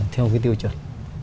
theo cái tiêu chuẩn